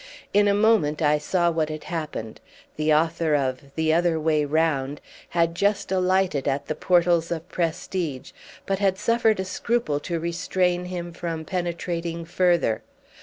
In a moment I saw what had happened: the author of "The Other Way Round" had just alighted at the portals of Prestidge, but had suffered a scruple to restrain him from penetrating further.